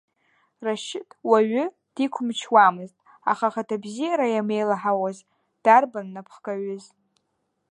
Рашьыҭ уаҩы диқәымчуамызт, аха ахаҭабзиара иамеилаҳауаз дарбан напхгаҩыз.